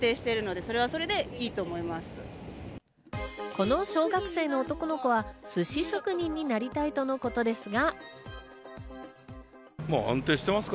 この小学生の男の子はすし職人になりたいとのことですが。